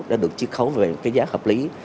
đã được chiếc khấu về cái giá hợp lý